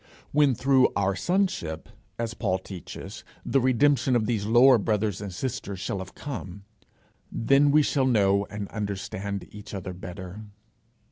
When through our sonship, as Paul teaches, the redemption of these lower brothers and sisters shall have come, then we shall understand each other better.